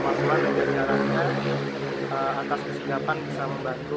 mas masman dan biar nyaranya atas kesingkatan